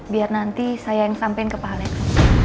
biar nanti saya yang sampaikan ke pak aleks